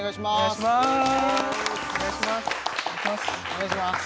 お願いします